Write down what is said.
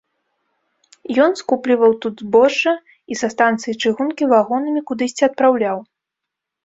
Ён скупліваў тут збожжа і са станцыі чыгункі вагонамі кудысьці адпраўляў.